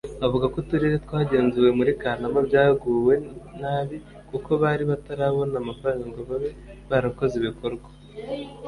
Avuga ko uturere twagenzuwe muri Kanama byabaguye nabi kuko bari batarabona amafaranga ngo babe barakoze ibikorwa